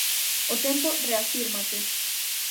O tempo reafírmate.